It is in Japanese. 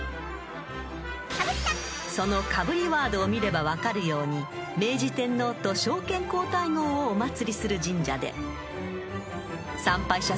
［そのかぶりワードを見れば分かるように明治天皇と昭憲皇太后をお祭りする神社で］